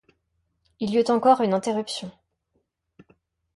Il y eut encore une interruption.